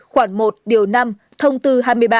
khoảng một điều năm thông tư hai mươi ba